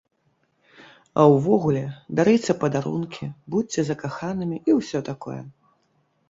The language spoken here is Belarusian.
А ўвогуле, дарыце падарункі, будзьце закаханымі і ўсё такое!